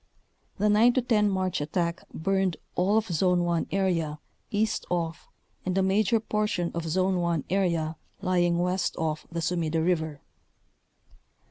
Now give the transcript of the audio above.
The 9 10 March attack burned all of « Zone 1 area east of and a major portion of Zone 1 area lying west of the Sumida River.